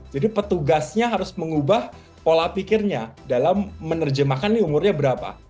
jadi petugasnya harus mengubah pola pikirnya dalam menerjemahkan ini umurnya berapa